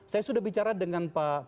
saya sudah bicara dengan pak gatot nih